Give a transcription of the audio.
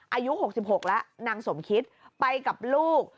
อายุ๖๖แล้วนางสมคิตไปกับลูก